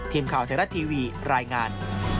ทีมข่าวไทยรัฐทีวีรายงาน